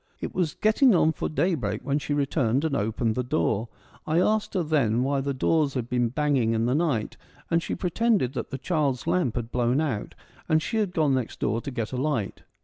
It was getting on^for day break when she returned and opened the f door. I asked her then why the doors had been banging in the night, and she pretended that the child's lamp had blown out, and she had gone next door to get a light.